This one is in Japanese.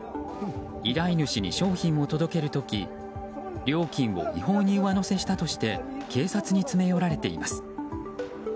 依頼主に商品を届ける時料金を違法に上乗せしたとして警察に詰め寄られています。